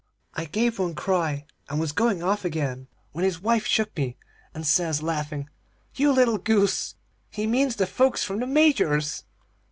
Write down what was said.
"I gave one cry and was going off again, when his wife shook me, and says, laughing: 'You little goose! He means the folks from the Major's.